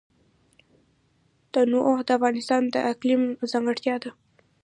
تنوع د افغانستان د اقلیم ځانګړتیا ده.